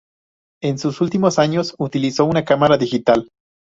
En sus últimos años, utilizó una cámara digital.